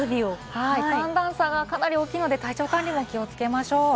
寒暖差がかなり大きいので体調管理にも気をつけましょう。